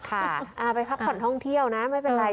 ไปพักผ่อนท่องเที่ยวนะไม่เป็นไร